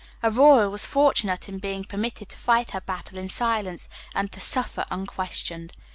Aurora was fortunate in being permitted to fight her battle in silence, and to suffer unquestioned.